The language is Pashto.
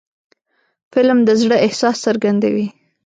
فلم د زړه احساس څرګندوي